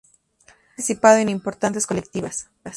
Ha participado en importantes colectivas.